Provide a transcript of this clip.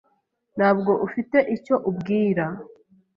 Ntabwo ufite icyo ubwira ?